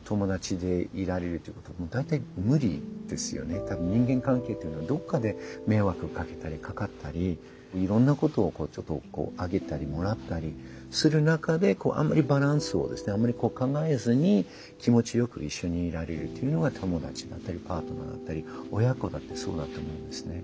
うん多分人間関係っていうのはどっかで迷惑をかけたりかかったりいろんなことをちょっとあげたりもらったりする中であんまりバランスを考えずに気持ちよく一緒にいられるっていうのが友達だったりパートナーだったり親子だってそうだと思うんですね。